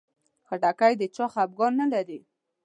خټکی د چا خفګان نه لري.